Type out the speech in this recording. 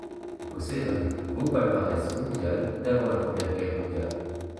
Il possède l'un des plus beaux palmarès mondial d'avant la Première Guerre mondiale.